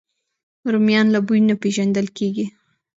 رومیان له بوی نه پېژندل کېږي